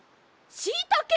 しいたけ！